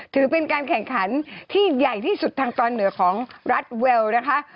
ถือเป็นการแข่งขันที่ใหญ่ที่สุดทางตอนเหนือของรัฐเวลนะคะ